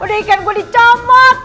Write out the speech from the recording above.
udah ikan gua dicomot